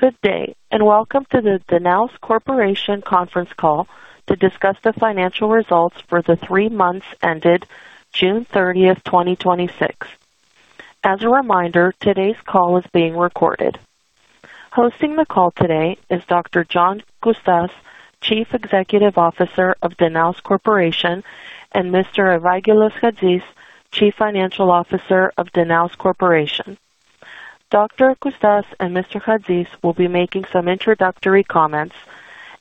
Good day. Welcome to the Danaos Corporation conference call to discuss the financial results for the three months ended June 30th, 2026. As a reminder, today's call is being recorded. Hosting the call today is Dr. John Coustas, Chief Executive Officer of Danaos Corporation, and Mr. Evangelos Chatzis, Chief Financial Officer of Danaos Corporation. Dr. Coustas and Mr. Chatzis will be making some introductory comments.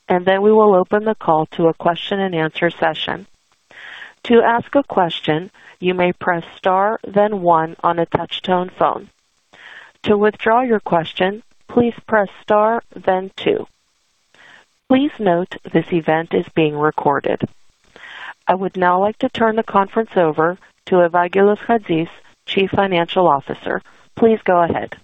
Then we will open the call to a question and answer session. To ask a question, you may press star then one on a touch-tone phone. To withdraw your question, please press star then two. Please note this event is being recorded. I would now like to turn the conference over to Evangelos Chatzis, Chief Financial Officer. Please go ahead.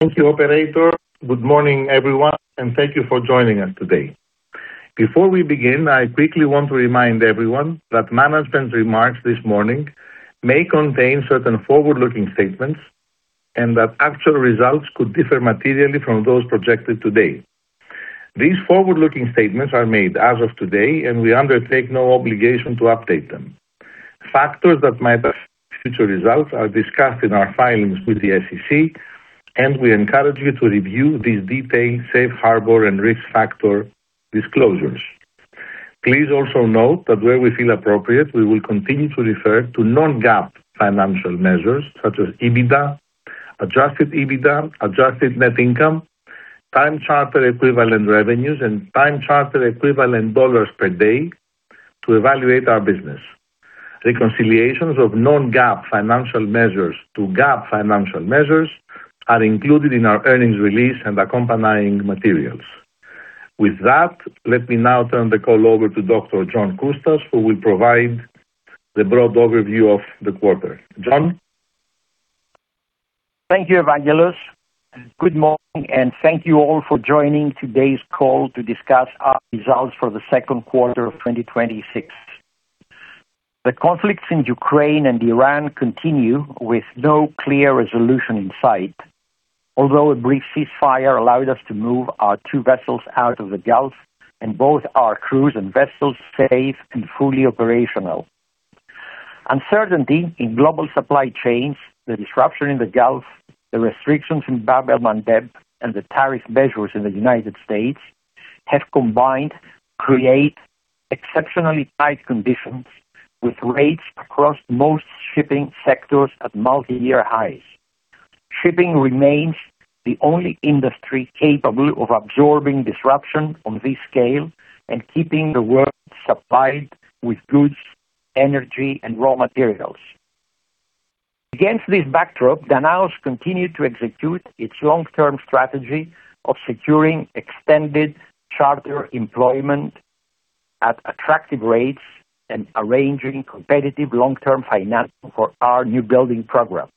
Thank you, operator. Good morning, everyone. Thank you for joining us today. Before we begin, I quickly want to remind everyone that management remarks this morning may contain certain forward-looking statements and that actual results could differ materially from those projected today. These forward-looking statements are made as of today, and we undertake no obligation to update them. Factors that might affect future results are discussed in our filings with the SEC, and we encourage you to review these detailed safe harbor and risk factor disclosures. Please also note that where we feel appropriate, we will continue to refer to non-GAAP financial measures such as EBITDA, adjusted EBITDA, adjusted net income, Time Charter Equivalent revenues, and Time Charter Equivalent dollars per day to evaluate our business. Reconciliations of non-GAAP financial measures to GAAP financial measures are included in our earnings release and accompanying materials. With that, let me now turn the call over to Dr. John Coustas, who will provide the broad overview of the quarter. John? Thank you, Evangelos. Good morning. Thank you all for joining today's call to discuss our results for the second quarter of 2026. The conflicts in Ukraine and Iran continue with no clear resolution in sight. Although a brief ceasefire allowed us to move our two vessels out of the Gulf and both our crews and vessels safe and fully operational. Uncertainty in global supply chains, the disruption in the Gulf, the restrictions in Bab el-Mandeb, and the tariff measures in the United States have combined to create exceptionally tight conditions with rates across most shipping sectors at multiyear highs. Shipping remains the only industry capable of absorbing disruption on this scale and keeping the world supplied with goods, energy, and raw materials. Against this backdrop, Danaos continued to execute its long-term strategy of securing extended charter employment at attractive rates and arranging competitive long-term financing for our new building program.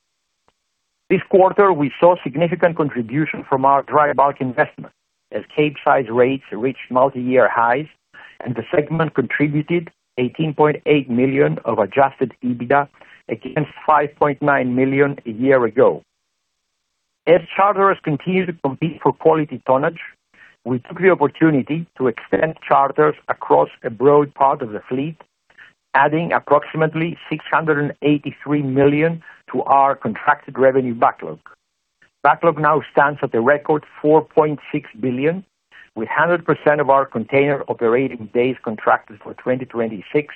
This quarter, we saw significant contribution from our dry bulk investment as Capesize rates reached multiyear highs and the segment contributed $18.8 million of adjusted EBITDA against $5.9 million a year ago. As charters continue to compete for quality tonnage, we took the opportunity to extend charters across a broad part of the fleet, adding approximately $683 million to our contracted revenue backlog. Backlog now stands at a record $4.6 billion, with 100% of our container operating days contracted for 2026,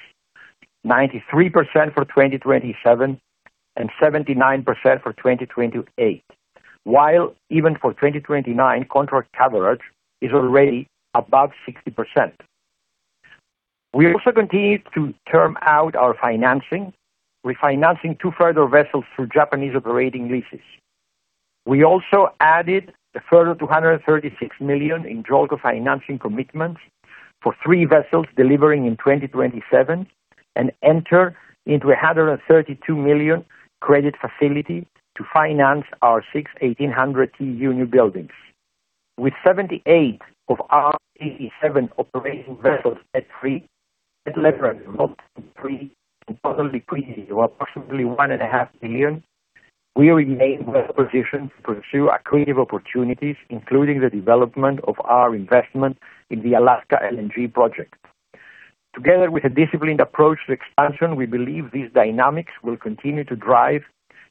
93% for 2027, and 79% for 2028. While even for 2029, contract coverage is already above 60%. We also continued to term out our financing, refinancing two further vessels through Japanese operating leases. We added a further $236 million in charter financing commitments for three vessels delivering in 2027 and entered into a $132 million credit facility to finance our sixth 1,800 TEU newbuildings. With 78 of our 87 operating vessels at three possibly $1.5 billion, we remain well-positioned to pursue accretive opportunities, including the development of our investment in the Alaska LNG project. Together with a disciplined approach to expansion, we believe these dynamics will continue to drive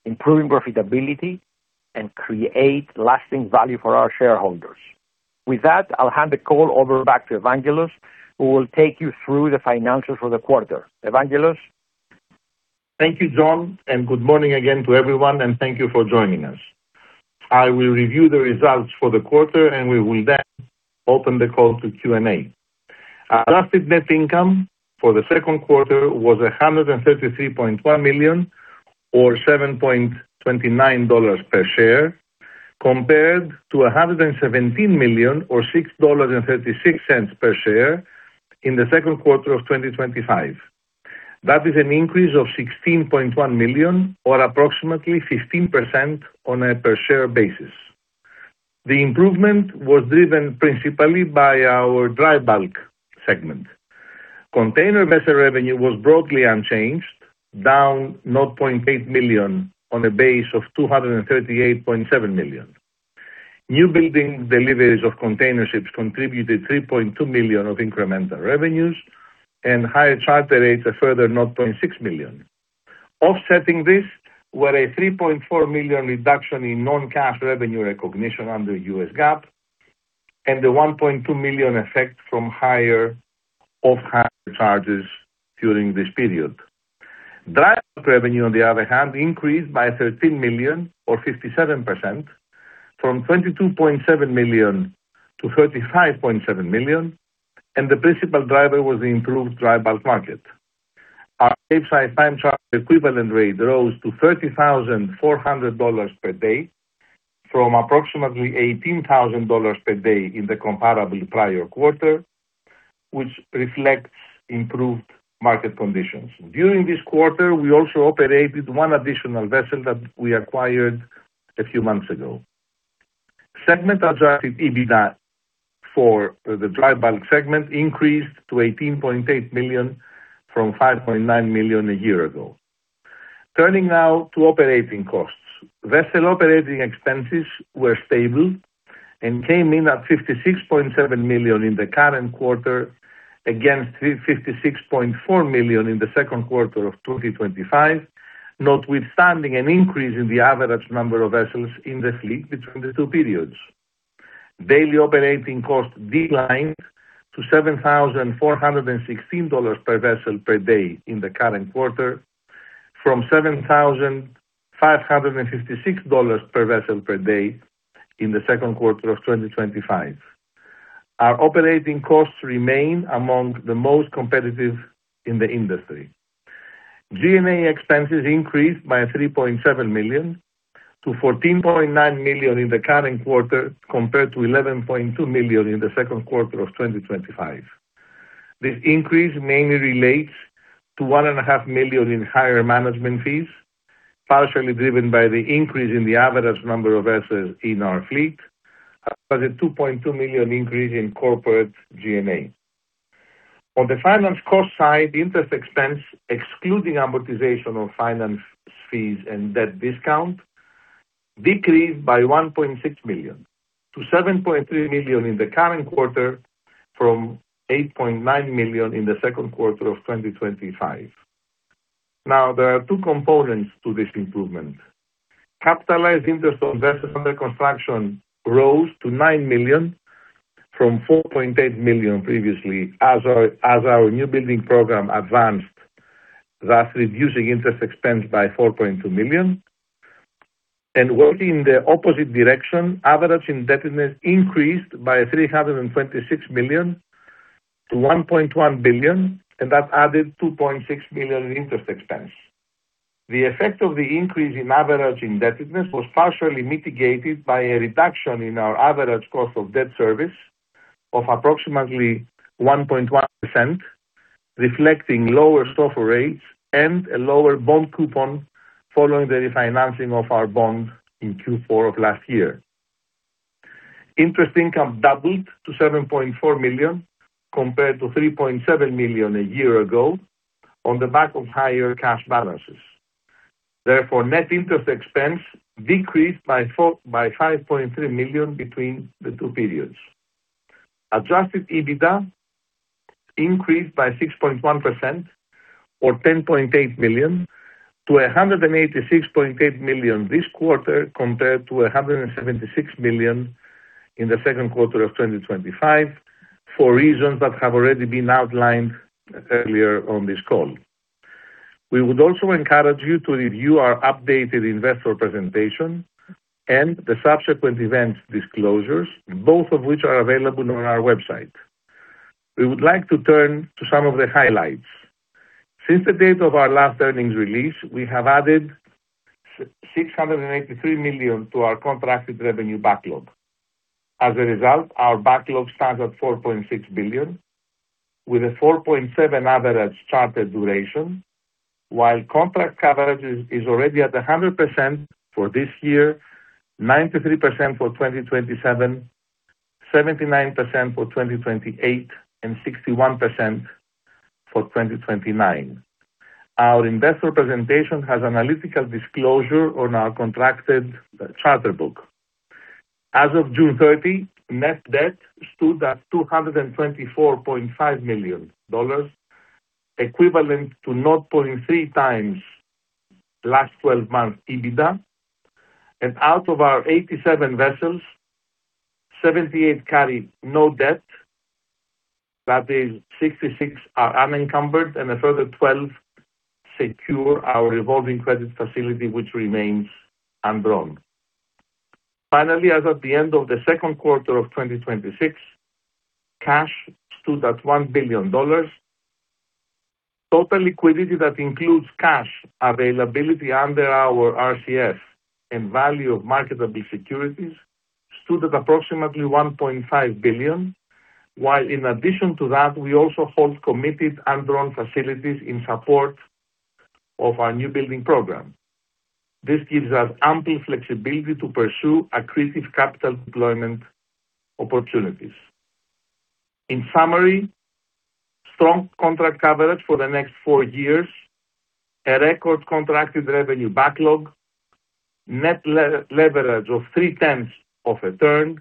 improving profitability and create lasting value for our shareholders. With that, I'll hand the call over back to Evangelos, who will take you through the financials for the quarter. Evangelos? Thank you, John. Good morning again to everyone, and thank you for joining us. I will review the results for the quarter. We will then open the call to Q&A. Adjusted net income for the second quarter was $133.1 million or $7.29 per share, compared to $117 million or $6.36 per share in the second quarter of 2025. That is an increase of $16.1 million or approximately 15% on a per-share basis. The improvement was driven principally by our dry bulk segment. Container vessel revenue was broadly unchanged, down $0.8 million on a base of $238.7 million. New building deliveries of container ships contributed $3.2 million of incremental revenues and higher charter rates, a further $0.6 million. Offsetting this were a $3.4 million reduction in non-GAAP revenue recognition under US GAAP and the $1.2 million effect from higher off-hire charges during this period. Dry revenue, on the other hand, increased by $13 million or 57%, from $22.7 million to $35.7 million. The principal driver was the improved dry bulk market. Our Capesize Time Charter Equivalent rate rose to $30,400 per day from approximately $18,000 per day in the comparable prior quarter, which reflects improved market conditions. During this quarter, we also operated one additional vessel that we acquired a few months ago. Segment adjusted EBITDA for the dry bulk segment increased to $18.8 million from $5.9 million a year ago. Turning now to operating costs. Vessel operating expenses were stable and came in at $56.7 million in the current quarter against $56.4 million in the second quarter of 2025, notwithstanding an increase in the average number of vessels in the fleet between the two periods. Daily operating costs declined to $7,416 per vessel per day in the current quarter from $7,556 per vessel per day in the second quarter of 2025. Our operating costs remain among the most competitive in the industry. G&A expenses increased by $3.7 million to $14.9 million in the current quarter, compared to $11.2 million in the second quarter of 2025. This increase mainly relates to $1.5 million in higher management fees, partially driven by the increase in the average number of vessels in our fleet, but a $2.2 million increase in corporate G&A. On the finance cost side, interest expense excluding amortization of finance fees and debt discount, decreased by $1.6 million to $7.3 million in the current quarter from $8.9 million in the second quarter of 2025. There are two components to this improvement. Capitalized interest on vessels under construction rose to $9 million from $4.8 million previously as our new building program advanced, thus reducing interest expense by $4.2 million. Working in the opposite direction, average indebtedness increased by $326 million to $1.1 billion, and that added $2.6 million in interest expense. The effect of the increase in average indebtedness was partially mitigated by a reduction in our average cost of debt service of approximately 1.1%, reflecting lower SOFR rates and a lower bond coupon following the refinancing of our bond in Q4 of last year. Interest income doubled to $7.4 million, compared to $3.7 million a year ago on the back of higher cash balances. Therefore, net interest expense decreased by $5.3 million between the two periods. Adjusted EBITDA increased by 6.1% or $10.8 million to $186.8 million this quarter compared to $176 million in the second quarter of 2025 for reasons that have already been outlined earlier on this call. We would also encourage you to review our updated investor presentation and the subsequent event disclosures, both of which are available on our website. We would like to turn to some of the highlights. Since the date of our last earnings release, we have added $683 million to our contracted revenue backlog. As a result, our backlog stands at $4.6 billion with a 4.7 average charter duration, while contract coverage is already at 100% for this year, 93% for 2027, 79% for 2028, and 61% for 2029. Our investor presentation has analytical disclosure on our contracted charter book. As of June 30, net debt stood at $224.5 million, equivalent to 0.3x last 12 months EBITDA. Out of our 87 vessels, 78 carried no debt. That is, 66 are unencumbered and a further 12 secure our revolving credit facility, which remains undrawn. Finally, as at the end of the second quarter of 2026, cash stood at $1 billion. Total liquidity that includes cash availability under our RCFs and value of marketable securities stood at approximately $1.5 billion, while in addition to that, we also hold committed undrawn facilities in support Of our new building program. This gives us ample flexibility to pursue accretive capital deployment opportunities. In summary, strong contract coverage for the next four years, a record contracted revenue backlog, net leverage of three-tenths of a turn,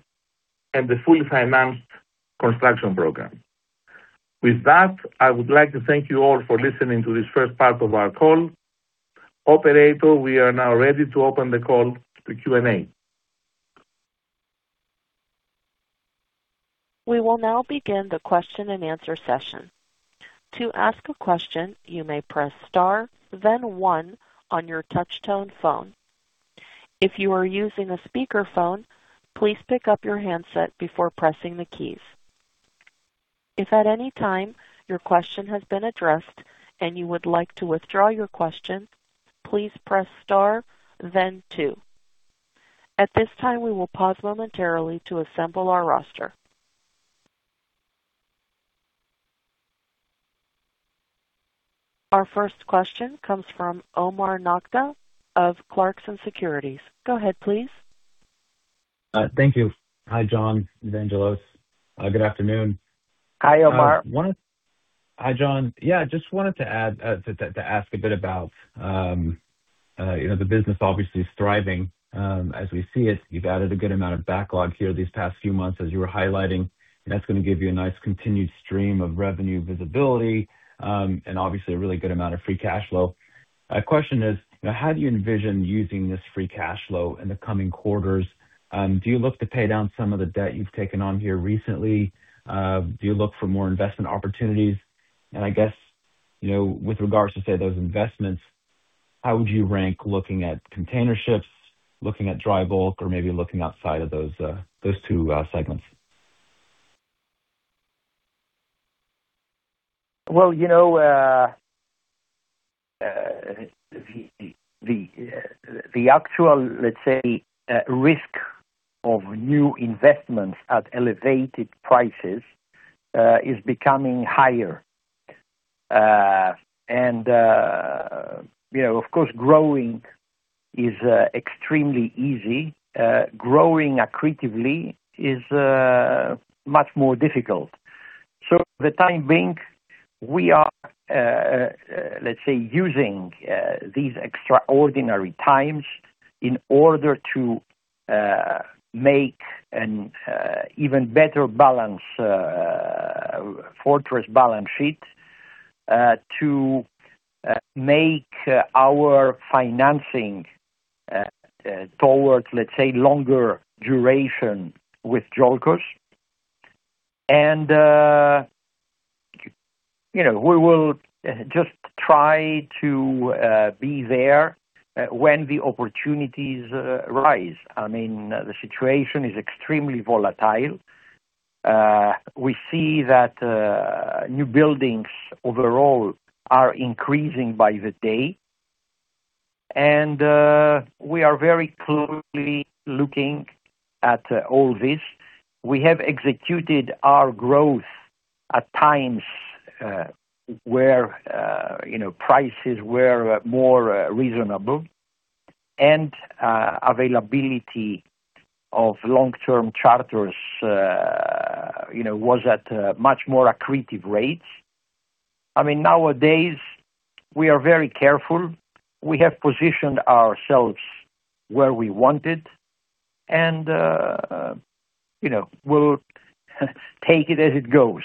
and a fully financed construction program. With that, I would like to thank you all for listening to this first part of our call. Operator, we are now ready to open the call to Q&A. We will now begin the question and answer session. To ask a question, you may press star then one on your touchtone phone. If you are using a speakerphone, please pick up your handset before pressing the keys. If at any time your question has been addressed and you would like to withdraw your question, please press star then two. At this time, we will pause momentarily to assemble our roster. Our first question comes from Omar Nokta of Clarksons Securities. Go ahead, please. Thank you. Hi, John, Evangelos. Good afternoon. Hi, Omar. Hi, John. Yeah, just wanted to ask a bit about, the business obviously is thriving. As we see it, you've added a good amount of backlog here these past few months, as you were highlighting, and that's going to give you a nice continued stream of revenue visibility, and obviously, a really good amount of free cash flow. Question is, how do you envision using this free cash flow in the coming quarters? Do you look to pay down some of the debt you've taken on here recently? Do you look for more investment opportunities? I guess, with regards to, say, those investments, how would you rank looking at container ships, looking at dry bulk, or maybe looking outside of those two segments? Well, the actual, let's say, risk of new investments at elevated prices, is becoming higher. Of course, growing is extremely easy. Growing accretively is much more difficult. For the time being, we are, let's say, using these extraordinary times in order to make an even better balance, fortress balance sheet, to make our financing towards, let's say, longer duration withdrawals. We will just try to be there when the opportunities arise. I mean, the situation is extremely volatile. We see that new buildings overall are increasing by the day. We are very closely looking at all this. We have executed our growth at times where prices were more reasonable and availability of long-term charters was at much more accretive rates. I mean, nowadays we are very careful. We have positioned ourselves where we wanted, and we'll take it as it goes.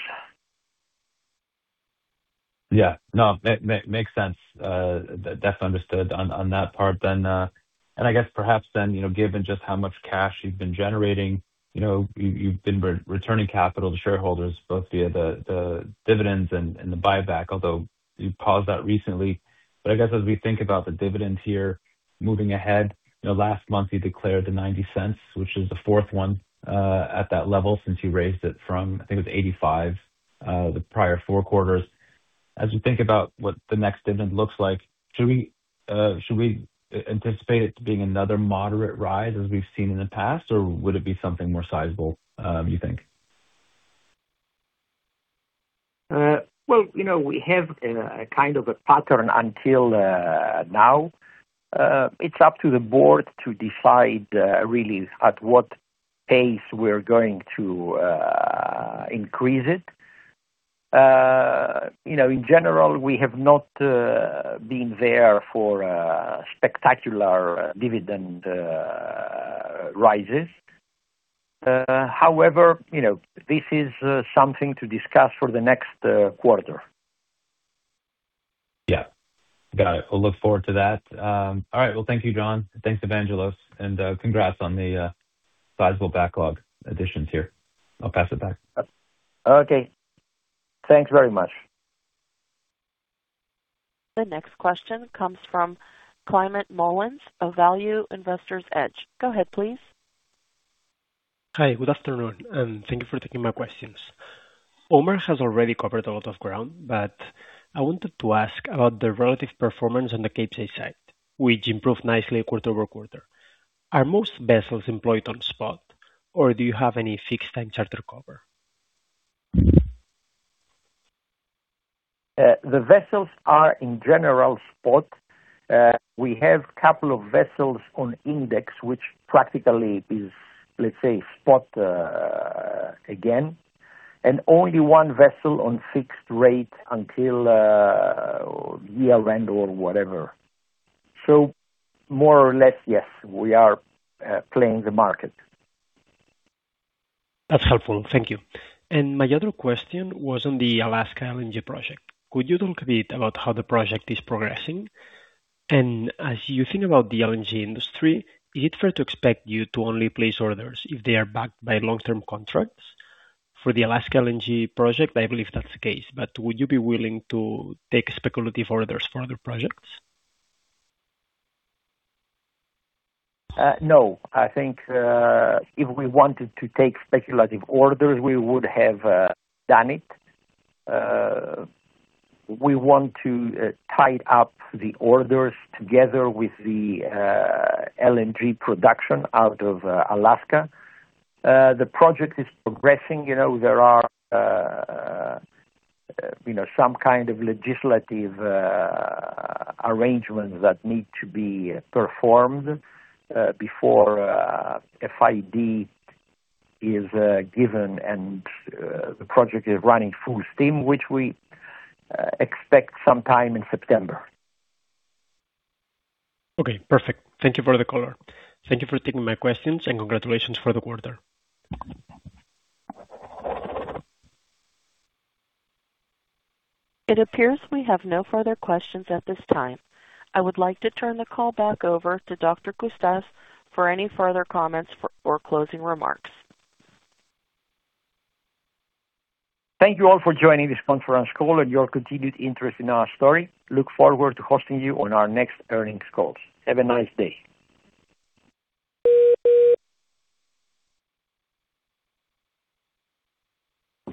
Yeah. No, makes sense. That's understood on that part then. I guess perhaps then, given just how much cash you've been generating, you've been returning capital to shareholders both via the dividends and the buyback, although you paused that recently. I guess as we think about the dividends here moving ahead, last month you declared the $0.90, which is the fourth one at that level since you raised it from, I think it was $0.85, the prior four quarters. As we think about what the next dividend looks like, should we anticipate it being another moderate rise as we've seen in the past, or would it be something more sizable, you think? Well, we have a kind of a pattern until now. It's up to the board to decide really at what pace we're going to increase it. In general, we have not been there for spectacular dividend rises. However, this is something to discuss for the next quarter. Yeah. Got it. We'll look forward to that. All right. Well, thank you, John. Thanks, Evangelos, and congrats on the sizable backlog additions here. I'll pass it back. Okay. Thanks very much. The next question comes from Climent Molins of Value Investor's Edge. Go ahead, please. Hi. Good afternoon, and thank you for taking my questions. Omar has already covered a lot of ground, but I wanted to ask about the relative performance on the Capesize side, which improved nicely quarter-over-quarter. Are most vessels employed on spot, or do you have any fixed-time charter cover? The vessels are in general spot. We have couple of vessels on index, which practically is, let's say, spot again, and only one vessel on fixed rate until year end or whatever. More or less, yes, we are playing the market. That's helpful. Thank you. My other question was on the Alaska LNG project. Could you talk a bit about how the project is progressing? As you think about the LNG industry, is it fair to expect you to only place orders if they are backed by long-term contracts? For the Alaska LNG project, I believe that's the case, but would you be willing to take speculative orders for other projects? No. I think if we wanted to take speculative orders, we would have done it. We want to tie up the orders together with the LNG production out of Alaska. The project is progressing. There are some kind of legislative arrangements that need to be performed before FID is given and the project is running full steam, which we expect some time in September. Okay, perfect. Thank you for the color. Thank you for taking my questions, and congratulations for the quarter. It appears we have no further questions at this time. I would like to turn the call back over to Dr. Coustas for any further comments or closing remarks. Thank you all for joining this conference call and your continued interest in our story. Look forward to hosting you on our next earnings calls. Have a nice day.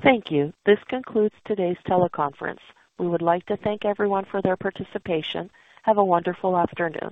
Thank you. This concludes today's teleconference. We would like to thank everyone for their participation. Have a wonderful afternoon.